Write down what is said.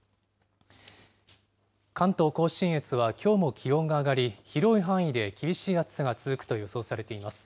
関東甲信越はきょうも気温が上がり、広い範囲で厳しい暑さが続くと予想されています。